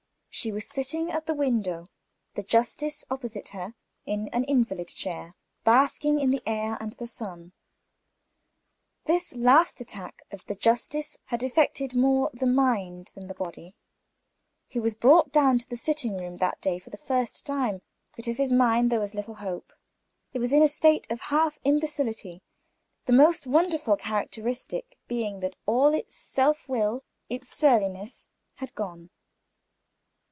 She was sitting at the open window, the justice opposite to her, in an invalid chair, basking in the air and the sun. This last attack of the justice's had affected the mind more than the body. He was brought down to the sitting room that day for the first time; but, of his mind, there was little hope. It was in a state of half imbecility; the most wonderful characteristic being, that all its self will, its surliness had gone.